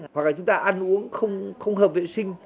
hoặc là chúng ta ăn uống không hợp vệ sinh